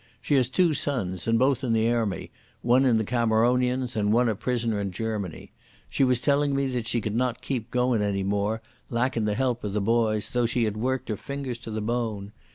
She has two sons, and both in the airmy, one in the Cameronians and one a prisoner in Germany. She was telling me that she could not keep goin' any more, lacking the help of the boys, though she had worked her fingers to the bone.